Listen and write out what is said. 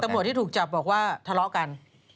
ตำรวจที่ถูกจับบอกว่าทะเลาะกัน